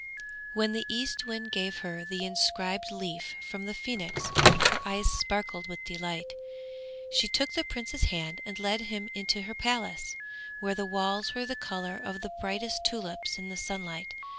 When the Eastwind gave her the inscribed leaf from the Phoenix her eyes sparkled with delight. She took the Prince's hand and led him into her palace, where the walls were the colour of the brightest tulips in the sunlight.